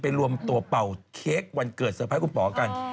รวมตัวเป่าเค้กวันเกิดเตอร์ไพรสคุณป๋อกัน